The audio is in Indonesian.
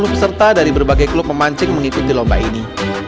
dua ratus lima puluh peserta dari berbagai klub pemancing mengikuti lomba ini